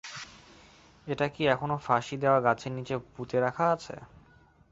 এটা কি এখনো ফাঁসি দেয়া গাছের নিচে পুঁতে রাখা আছে?